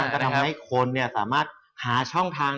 ก็ทำให้คนสามารถหาช่องทาง